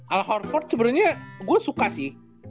al horford sebenarnya gue suka sih